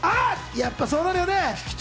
やっぱそうなるよね。